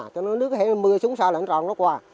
cho nước hay mưa xuống sau là nó tròn nó qua